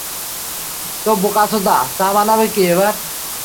তোহ বোকাচোদা, চা বানাবে কে এবার?